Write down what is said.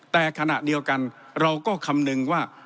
แต่ขณะเดียวกันเราก็คำนึงว่า